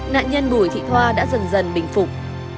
nạn nhân bùi thị thoa đã dần dần bình phục